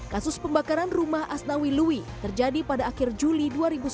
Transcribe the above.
kasus pembakaran rumah asnawi lui terjadi pada akhir juli dua ribu sembilan belas